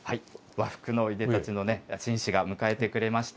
和服のいでたちの紳士が迎えてくれました。